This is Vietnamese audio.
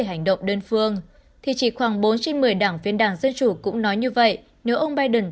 hành động đơn phương thì chỉ khoảng bốn trên một mươi đảng viên đảng dân chủ cũng nói như vậy nếu ông biden